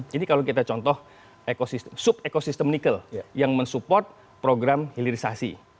jadi kalau kita contoh sub ekosistem nikel yang mensupport program hilirisasi